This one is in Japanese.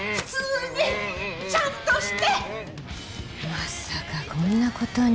まさかこんな事に。